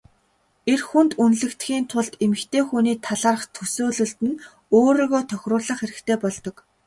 Эр хүнд үнэлэгдэхийн тулд эмэгтэй хүний талаарх төсөөлөлд нь өөрийгөө тохируулах хэрэгтэй болдог.